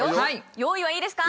用意はいいですか？